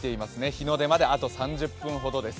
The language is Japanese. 日の出まであと３０分ほどです。